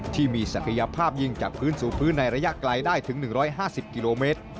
ที่มีศักยภาพยิงจากพื้นสู่พื้นในระยะไกลได้ถึง๑๕๐กิโลเมตร